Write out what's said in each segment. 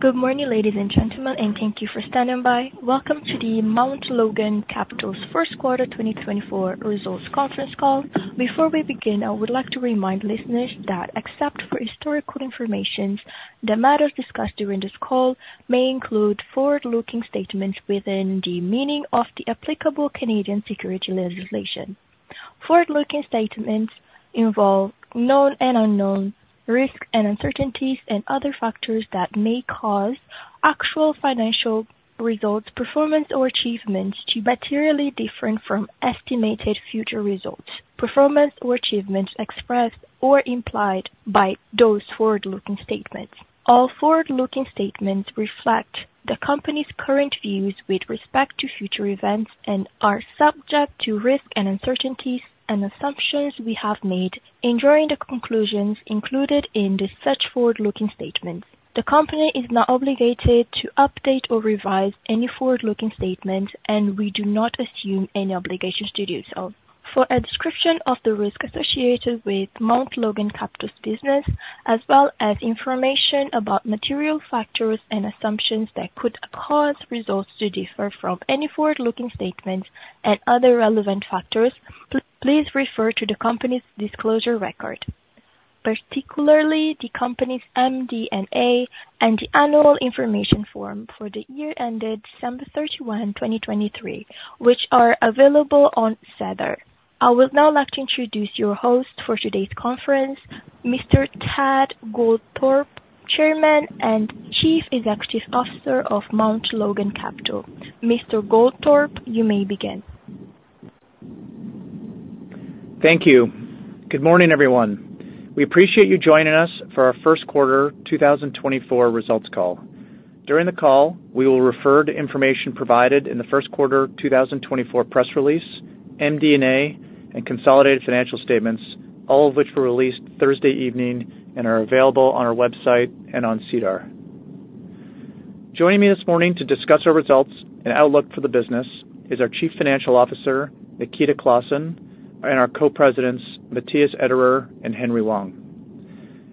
Good morning, ladies and gentlemen, and thank you for standing by. Welcome to the Mount Logan Capital's first quarter 2024 results conference call. Before we begin, I would like to remind listeners that except for historical information, the matters discussed during this call may include forward-looking statements within the meaning of the applicable Canadian securities legislation. Forward-looking statements involve known and unknown risks and uncertainties and other factors that may cause actual financial results, performance or achievements to materially differ from estimated future results, performance or achievements expressed or implied by those forward-looking statements. All forward-looking statements reflect the company's current views with respect to future events and are subject to risks and uncertainties and assumptions we have made in drawing the conclusions included in such forward-looking statements. The company is not obligated to update or revise any forward-looking statements, and we do not assume any obligation to do so. For a description of the risks associated with Mount Logan Capital's business, as well as information about material factors and assumptions that could cause results to differ from any forward-looking statements and other relevant factors, please refer to the company's disclosure record, particularly the company's MD&A and the annual information form for the year ended December 31st, 2023, which are available on SEDAR. I would now like to introduce your host for today's conference, Mr. Ted Goldthorpe, Chairman and Chief Executive Officer of Mount Logan Capital. Mr. Goldthorpe, you may begin. Thank you. Good morning, everyone. We appreciate you joining us for our first quarter 2024 results call. During the call, we will refer to information provided in the first quarter 2024 press release, MD&A, and consolidated financial statements, all of which were released Thursday evening and are available on our website and on SEDAR. Joining me this morning to discuss our results and outlook for the business is our Chief Financial Officer, Nikita Klassen, and our Co-Presidents, Matthias Ederer and Henry Wang.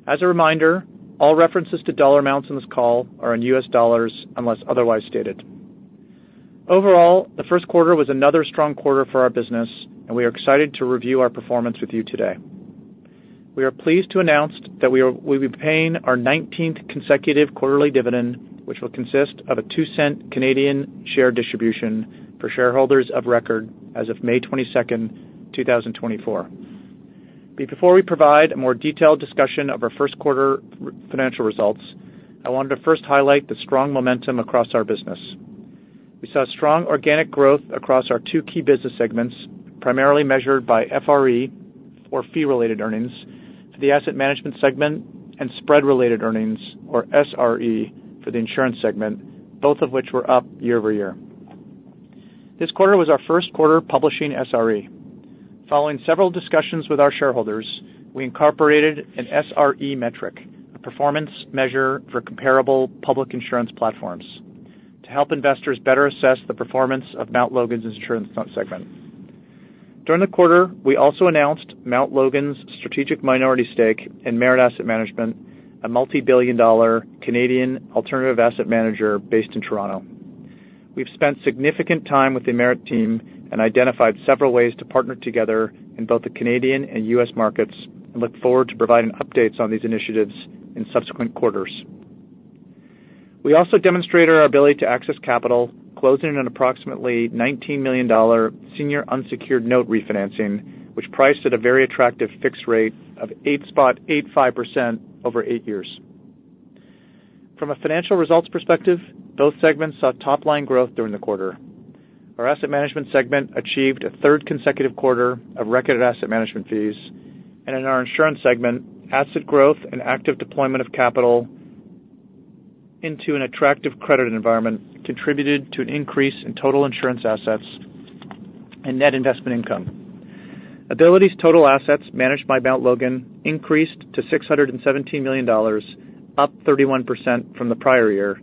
As a reminder, all references to dollar amounts on this call are in U.S. dollars, unless otherwise stated. Overall, the first quarter was another strong quarter for our business, and we are excited to review our performance with you today. We are pleased to announce that we'll be paying our nineteenth consecutive quarterly dividend, which will consist of a 0.02 share distribution for shareholders of record as of May 22nd, 2024. Before we provide a more detailed discussion of our first quarter financial results, I wanted to first highlight the strong momentum across our business. We saw strong organic growth across our two key business segments, primarily measured by FRE, or fee-related earnings, for the asset management segment and spread-related earnings, or SRE, for the insurance segment, both of which were up year-over-year. This quarter was our first quarter publishing SRE. Following several discussions with our shareholders, we incorporated an SRE metric, a performance measure for comparable public insurance platforms, to help investors better assess the performance of Mount Logan's insurance segment. During the quarter, we also announced Mount Logan's strategic minority stake in Marret Asset Management, a multi-billion-dollar Canadian alternative asset manager based in Toronto. We've spent significant time with the Marret team and identified several ways to partner together in both the Canadian and U.S. markets, and look forward to providing updates on these initiatives in subsequent quarters. We also demonstrated our ability to access capital, closing an approximately $19 million senior unsecured note refinancing, which priced at a very attractive fixed rate of 8.85% over eight years. From a financial results perspective, both segments saw top-line growth during the quarter. Our asset management segment achieved a third consecutive quarter of record asset management fees, and in our insurance segment, asset growth and active deployment of capital into an attractive credit environment contributed to an increase in total insurance assets and net investment income. Ability's total assets managed by Mount Logan increased to $617 million, up 31% from the prior year,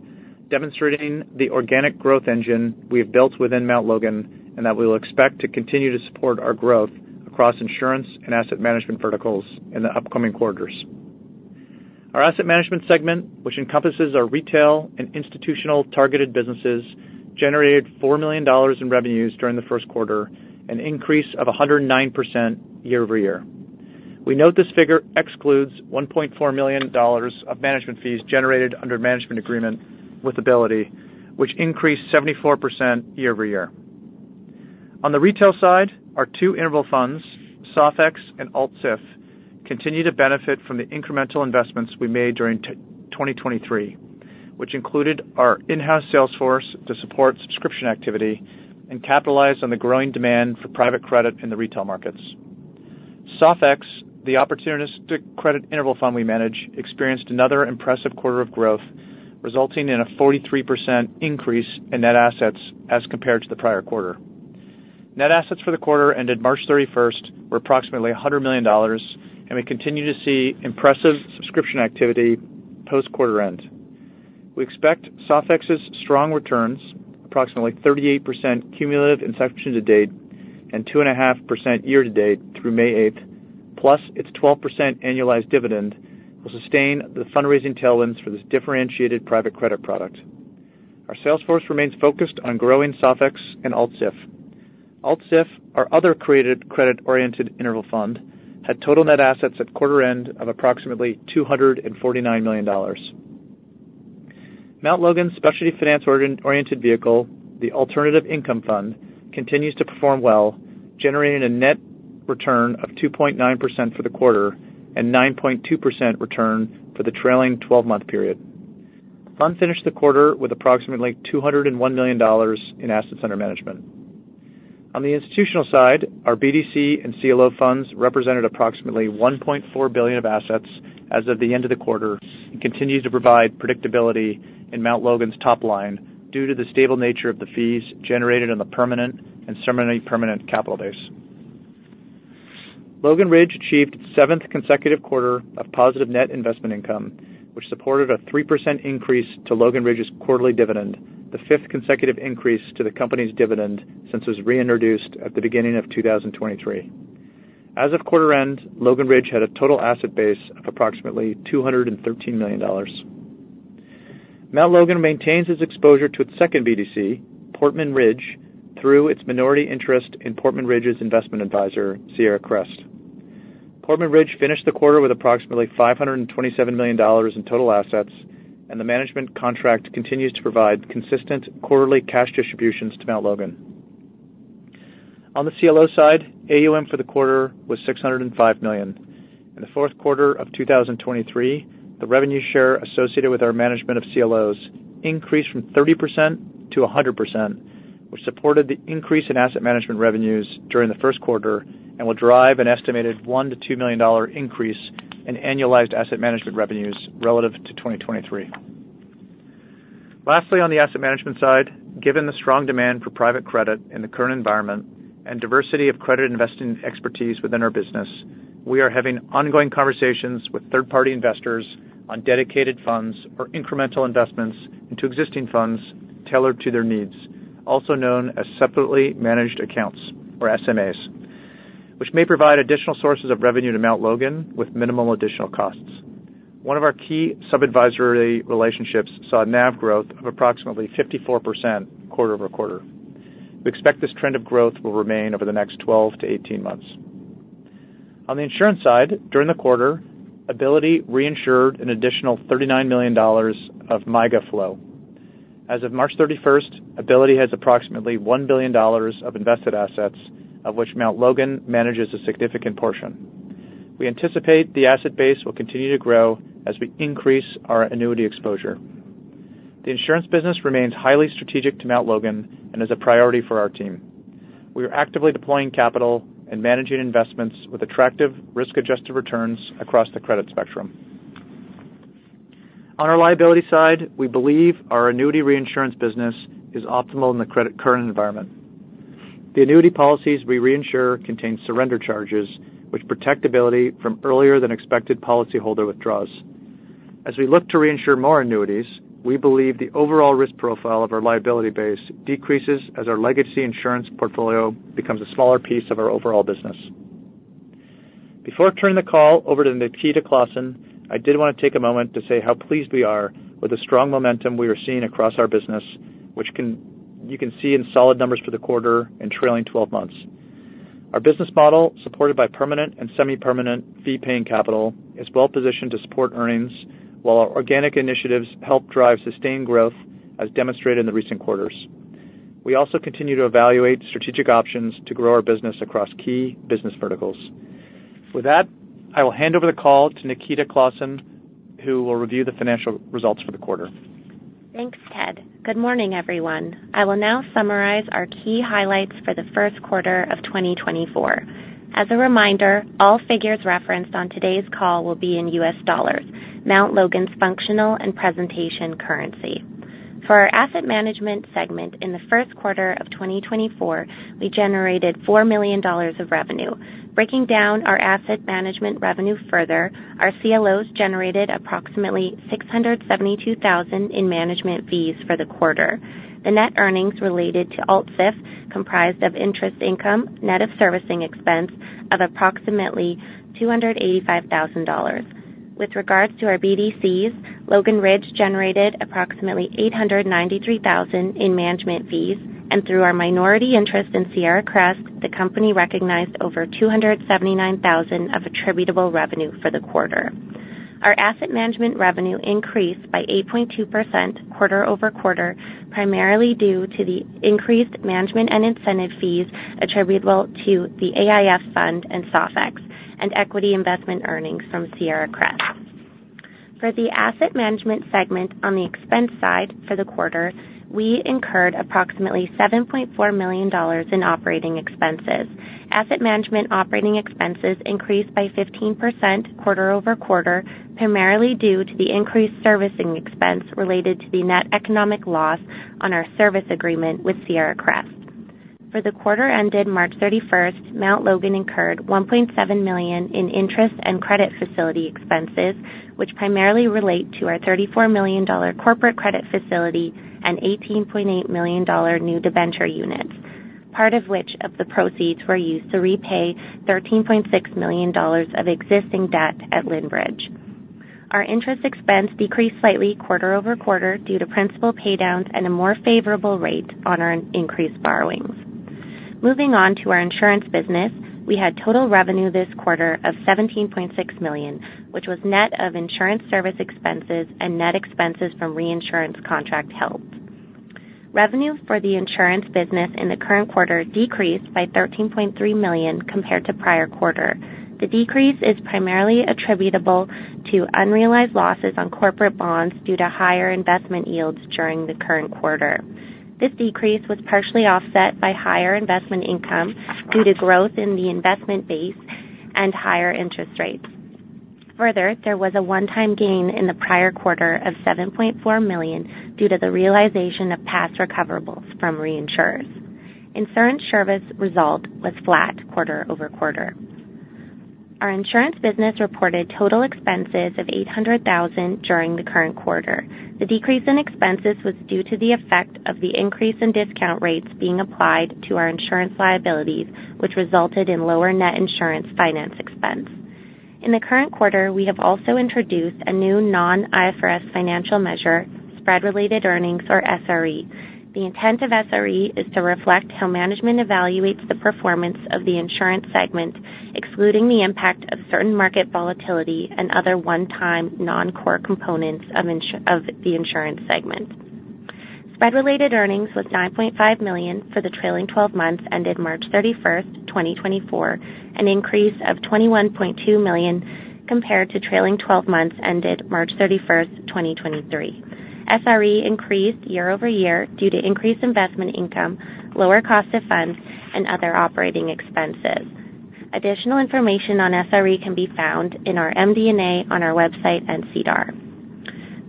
demonstrating the organic growth engine we have built within Mount Logan and that we will expect to continue to support our growth across insurance and asset management verticals in the upcoming quarters. Our asset management segment, which encompasses our retail and institutional targeted businesses, generated $4 million in revenues during the first quarter, an increase of 109% year-over-year. We note this figure excludes $1.4 million of management fees generated under a management agreement with Ability, which increased 74% year-over-year. On the retail side, our two interval funds, SofEx and AltSIF, continue to benefit from the incremental investments we made during 2023, which included our in-house sales force to support subscription activity and capitalize on the growing demand for private credit in the retail markets. SofEx, the opportunistic credit interval fund we manage, experienced another impressive quarter of growth, resulting in a 43% increase in net assets as compared to the prior quarter. Net assets for the quarter ended March thirty-first were approximately $100 million, and we continue to see impressive subscription activity post-quarter end. We expect SofEx's strong returns, approximately 38% cumulative inception to date and 2.5% year-to-date through May 8th, plus its 12% annualized dividend will sustain the fundraising tailwinds for this differentiated private credit product. Our sales force remains focused on growing SofEx and AltSIF. AltSIF, our other created credit-oriented interval fund, had total net assets at quarter end of approximately $249 million. Mount Logan's specialty finance origination-oriented vehicle, the Alternative Income Fund, continues to perform well, generating a net return of 2.9% for the quarter and 9.2% return for the trailing twelve-month period. The fund finished the quarter with approximately $201 million in assets under management. On the institutional side, our BDC and CLO funds represented approximately $1.4 billion of assets as of the end of the quarter, and continued to provide predictability in Mount Logan's top line due to the stable nature of the fees generated on the permanent and semi-permanent capital base. Logan Ridge achieved its seventh consecutive quarter of positive net investment income, which supported a 3% increase to Logan Ridge's quarterly dividend, the fifth consecutive increase to the company's dividend since it was reintroduced at the beginning of 2023. As of quarter end, Logan Ridge had a total asset base of approximately $213 million. Mount Logan maintains its exposure to its second BDC, Portman Ridge, through its minority interest in Portman Ridge's investment advisor, Sierra Crest. Portman Ridge finished the quarter with approximately $527 million in total assets, and the management contract continues to provide consistent quarterly cash distributions to Mount Logan. On the CLO side, AUM for the quarter was $605 million. In the fourth quarter of 2023, the revenue share associated with our management of CLOs increased from 30% to 100%, which supported the increase in asset management revenues during the first quarter and will drive an estimated $1 million-$2 million increase in annualized asset management revenues relative to 2023. Lastly, on the asset management side, given the strong demand for private credit in the current environment and diversity of credit investing expertise within our business, we are having ongoing conversations with third-party investors on dedicated funds or incremental investments into existing funds tailored to their needs, also known as separately managed accounts, or SMAs, which may provide additional sources of revenue to Mount Logan with minimal additional costs. One of our key sub-advisory relationships saw a NAV growth of approximately 54% quarter-over-quarter. We expect this trend of growth will remain over the next 12-18 months. On the insurance side, during the quarter, Ability reinsured an additional $39 million of MYGA flow. As of March 31st, Ability has approximately $1 billion of invested assets, of which Mount Logan manages a significant portion. We anticipate the asset base will continue to grow as we increase our annuity exposure. The insurance business remains highly strategic to Mount Logan and is a priority for our team. We are actively deploying capital and managing investments with attractive risk-adjusted returns across the credit spectrum. On our liability side, we believe our annuity reinsurance business is optimal in the credit current environment. The annuity policies we reinsure contain surrender charges, which protect Ability from earlier than expected policyholder withdrawals. As we look to reinsure more annuities, we believe the overall risk profile of our liability base decreases as our legacy insurance portfolio becomes a smaller piece of our overall business. Before turning the call over to Nikita Klassen, I did want to take a moment to say how pleased we are with the strong momentum we are seeing across our business, which you can see in solid numbers for the quarter and trailing twelve months. Our business model, supported by permanent and semi-permanent fee-paying capital, is well-positioned to support earnings, while our organic initiatives help drive sustained growth, as demonstrated in the recent quarters. We also continue to evaluate strategic options to grow our business across key business verticals. With that, I will hand over the call to Nikita Klassen, who will review the financial results for the quarter. Thanks, Ted. Good morning, everyone. I will now summarize our key highlights for the first quarter of 2024. As a reminder, all figures referenced on today's call will be in U.S. dollars, Mount Logan's functional and presentation currency. For our asset management segment in the first quarter of 2024, we generated $4 million of revenue. Breaking down our asset management revenue further, our CLOs generated approximately $672,000 in management fees for the quarter. The net earnings related to AltSIF comprised of interest income, net of servicing expense of approximately $285,000. With regards to our BDCs, Logan Ridge generated approximately $893,000 in management fees, and through our minority interest in Sierra Crest, the company recognized over $279,000 of attributable revenue for the quarter. Our asset management revenue increased by 8.2% quarter-over-quarter, primarily due to the increased management and incentive fees attributable to the AIF Fund and SofEx and equity investment earnings from Sierra Crest. For the asset management segment, on the expense side for the quarter, we incurred approximately $7.4 million in operating expenses. Asset management operating expenses increased by 15% quarter-over-quarter, primarily due to the increased servicing expense related to the net economic loss on our service agreement with Sierra Crest. For the quarter ended March thirty-first, Mount Logan incurred $1.7 million in interest and credit facility expenses, which primarily relate to our $34 million corporate credit facility and $18.8 million new debenture units, part of which of the proceeds were used to repay $13.6 million of existing debt at Lynbridge. Our interest expense decreased slightly quarter-over-quarter due to principal paydowns and a more favorable rate on our increased borrowings. Moving on to our insurance business, we had total revenue this quarter of $17.6 million, which was net of insurance service expenses and net expenses from reinsurance contract held. Revenue for the insurance business in the current quarter decreased by $13.3 million compared to prior quarter. The decrease is primarily attributable to unrealized losses on corporate bonds due to higher investment yields during the current quarter. This decrease was partially offset by higher investment income due to growth in the investment base and higher interest rates. Further, there was a one-time gain in the prior quarter of $7.4 million due to the realization of past recoverables from reinsurers. Insurance service result was flat quarter-over-quarter. Our insurance business reported total expenses of $800,000 during the current quarter. The decrease in expenses was due to the effect of the increase in discount rates being applied to our insurance liabilities, which resulted in lower net insurance finance expense. In the current quarter, we have also introduced a new non-IFRS financial measure, spread-related earnings, or SRE. The intent of SRE is to reflect how management evaluates the performance of the insurance segment, excluding the impact of certain market volatility and other one-time non-core components of the insurance segment. Spread-related earnings was $9.5 million for the trailing twelve months ended March 31st, 2024, an increase of $21.2 million compared to trailing 12 months ended March 31st, 2023. SRE increased year-over-year due to increased investment income, lower cost of funds, and other operating expenses. Additional information on SRE can be found in our MD&A on our website and SEDAR.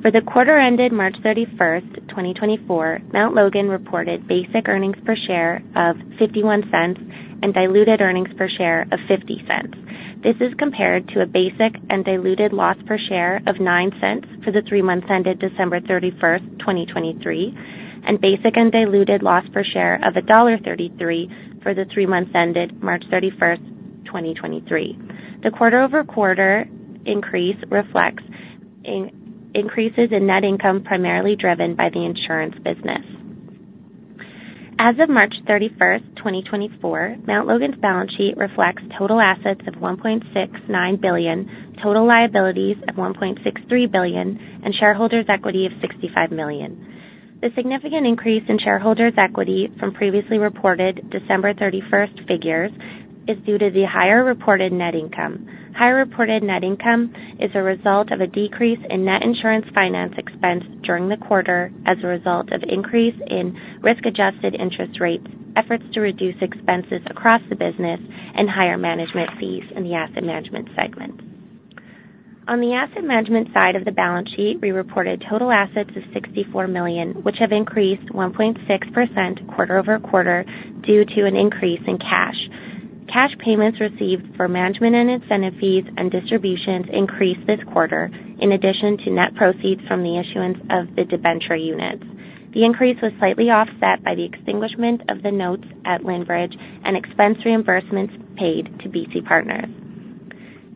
For the quarter ended March 31st, 2024, Mount Logan reported basic earnings per share of $0.51 and diluted earnings per share of $0.50. This is compared to a basic and diluted loss per share of $0.09 for the three months ended December 31st, 2023, and basic and diluted loss per share of $1.33 for the three months ended March 31st, 2023. The quarter-over-quarter increase reflects increases in net income, primarily driven by the insurance business. As of March 31st, 2024, Mount Logan's balance sheet reflects total assets of $1.69 billion, total liabilities of $1.63 billion, and shareholders' equity of $65 million. The significant increase in shareholders' equity from previously reported December 31st figures is due to the higher reported net income. Higher reported net income is a result of a decrease in net insurance finance expense during the quarter as a result of increase in risk-adjusted interest rates, efforts to reduce expenses across the business, and higher management fees in the asset management segment. On the asset management side of the balance sheet, we reported total assets of $64 million, which have increased 1.6% quarter-over-quarter due to an increase in cash. Cash payments received for management and incentive fees and distributions increased this quarter, in addition to net proceeds from the issuance of the debenture units. The increase was slightly offset by the extinguishment of the notes at Lynbridge and expense reimbursements paid to BC Partners.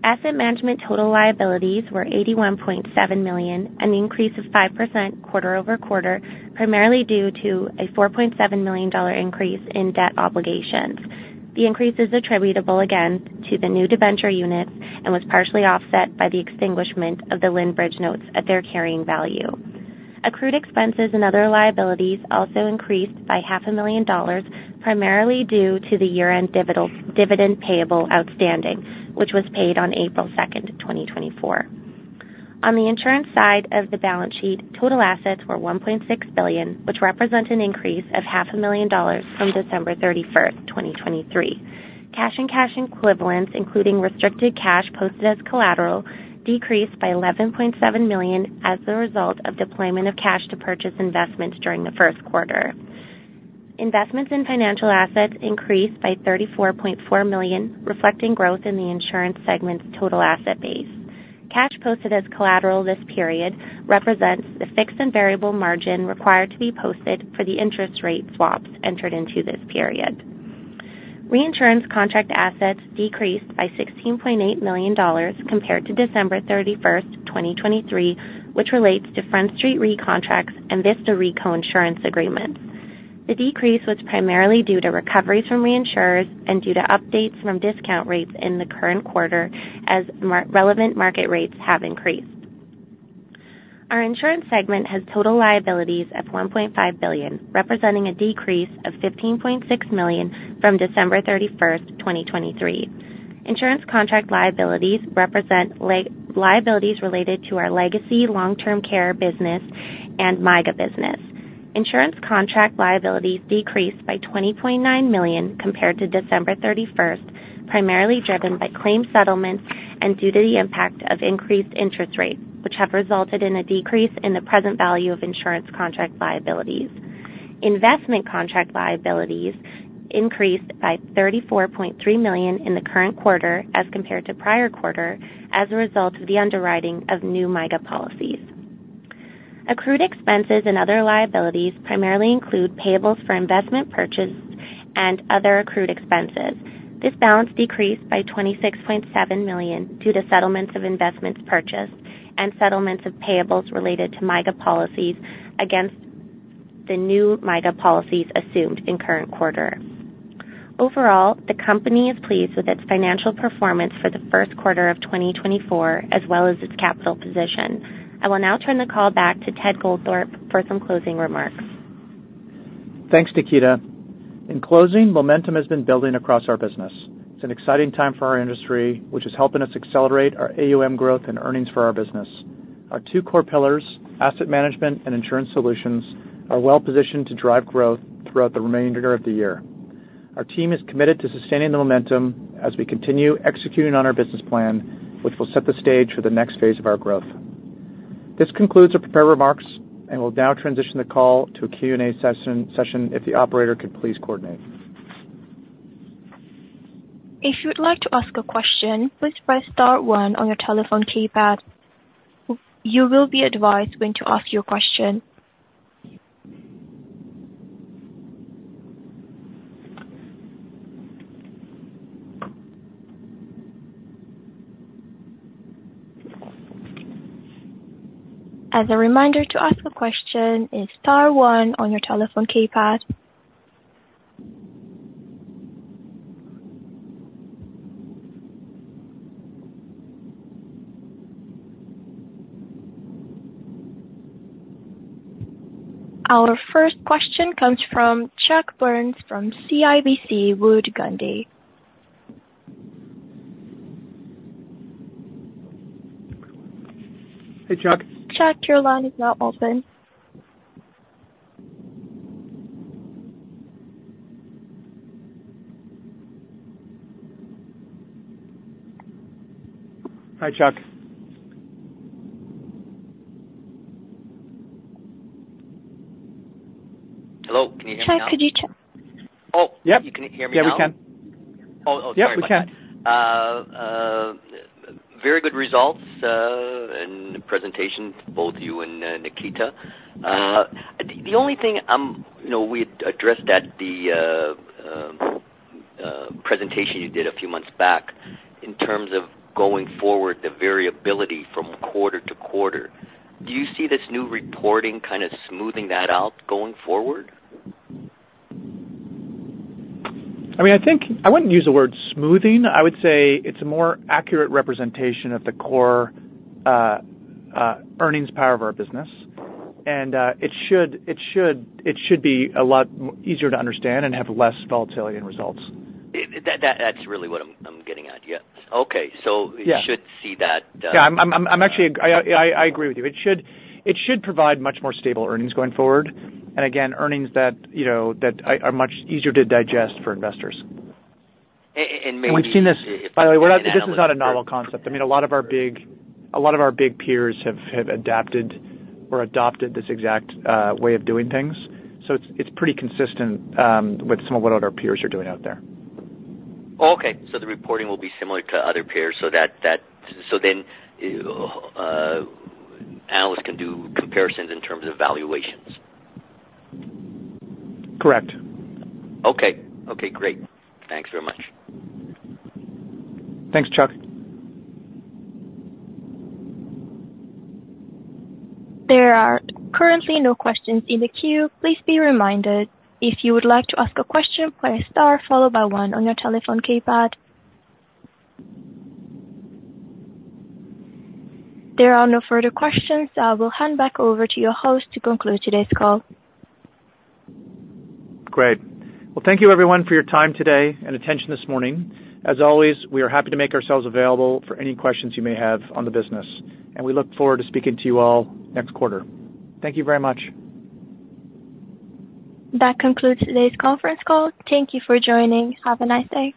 Asset management total liabilities were $81.7 million, an increase of 5% quarter-over-quarter, primarily due to a $4.7 million increase in debt obligations. The increase is attributable again to the new debenture units and was partially offset by the extinguishment of the Lynbridge notes at their carrying value. Accrued expenses and other liabilities also increased by $500,000, primarily due to the year-end dividend payable outstanding, which was paid on April 2nd, 2024. On the insurance side of the balance sheet, total assets were $1.6 billion, which represent an increase of $500,000 from December 31st, 2023. Cash and cash equivalents, including restricted cash posted as collateral, decreased by $11.7 million as the result of deployment of cash to purchase investments during the first quarter. Investments in financial assets increased by $34.4 million, reflecting growth in the insurance segment's total asset base. Cash posted as collateral this period represents the fixed and variable margin required to be posted for the interest rate swaps entered into this period. Reinsurance contract assets decreased by $16.8 million compared to December 31st, 2023, which relates to Front Street Re contracts and Vista Re agreements. The decrease was primarily due to recoveries from reinsurers and due to updates from discount rates in the current quarter as relevant market rates have increased. Our insurance segment has total liabilities of $1.5 billion, representing a decrease of $15.6 million from December 31st, 2023. Insurance contract liabilities represent liabilities related to our legacy long-term care business and MYGA business. Insurance contract liabilities decreased by $20.9 million compared to December 31st, 2023, primarily driven by claim settlements and due to the impact of increased interest rates, which have resulted in a decrease in the present value of insurance contract liabilities. Investment contract liabilities increased by $34.3 million in the current quarter as compared to prior quarter, as a result of the underwriting of new MYGA policies.... Accrued expenses and other liabilities primarily include payables for investment purchase and other accrued expenses. This balance decreased by $26.7 million due to settlements of investments purchased and settlements of payables related to MYGA policies against the new MYGA policies assumed in current quarter. Overall, the company is pleased with its financial performance for the first quarter of 2024, as well as its capital position. I will now turn the call back to Ted Goldthorpe for some closing remarks. Thanks, Nikita. In closing, momentum has been building across our business. It's an exciting time for our industry, which is helping us accelerate our AUM growth and earnings for our business. Our two core pillars, asset management and insurance solutions, are well-positioned to drive growth throughout the remainder of the year. Our team is committed to sustaining the momentum as we continue executing on our business plan, which will set the stage for the next phase of our growth. This concludes the prepared remarks, and we'll now transition the call to a Q&A session, if the operator could please coordinate. If you would like to ask a question, please press star one on your telephone keypad. You will be advised when to ask your question. As a reminder to ask a question, it's star one on your telephone keypad. Our first question comes from Chuck Burns from CIBC Wood Gundy. Hey, Chuck. Chuck, your line is now open. Hi, Chuck. Hello, can you hear me now? Chuck, could you ch- Oh! Yep. You can hear me now? Yeah, we can. Oh, oh, sorry about that. Yep, we can. Very good results and presentation, both you and Nikita. The only thing I'm... You know, we had addressed at the presentation you did a few months back, in terms of going forward, the variability from quarter to quarter. Do you see this new reporting kind of smoothing that out going forward? I mean, I think I wouldn't use the word smoothing. I would say it's a more accurate representation of the core earnings power of our business. And it should be a lot easier to understand and have less volatility in results. That's really what I'm getting at. Yeah. Okay. Yeah. So we should see that, Yeah, I'm actually. I agree with you. It should provide much more stable earnings going forward. And again, earnings that, you know, that are much easier to digest for investors. A-a-and maybe- We've seen this, by the way. This is not a novel concept. I mean, a lot of our big peers have adapted or adopted this exact way of doing things. So it's pretty consistent with some of what our peers are doing out there. Okay. So the reporting will be similar to other peers, so that analysts can do comparisons in terms of valuations? Correct. Okay. Okay, great. Thanks very much. Thanks, Chuck. There are currently no questions in the queue. Please be reminded, if you would like to ask a question, press star followed by one on your telephone keypad. There are no further questions. I will hand back over to your host to conclude today's call. Great. Well, thank you everyone for your time today and attention this morning. As always, we are happy to make ourselves available for any questions you may have on the business, and we look forward to speaking to you all next quarter. Thank you very much. That concludes today's conference call. Thank you for joining. Have a nice day.